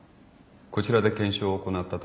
こちらで検証を行ったところ